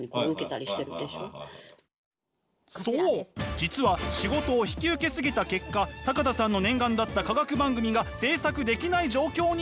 実は仕事を引き受け過ぎた結果坂田さんの念願だった化学番組が制作できない状況に！